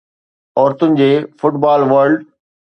عورتن جي football world